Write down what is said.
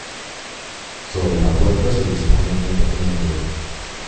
Sobre la puerta se dispone un pequeño coro.